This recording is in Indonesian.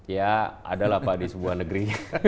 ya adalah pak di sebuah negeri